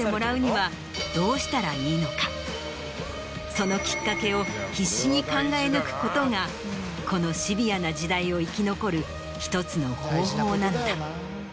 そのきっかけを必死に考え抜くことがこのシビアな時代を生き残る１つの方法なのだ。